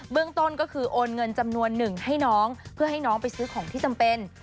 ต้นก็คือโอนเงินจำนวนหนึ่งให้น้องเพื่อให้น้องไปซื้อของที่จำเป็น